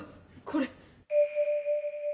これ。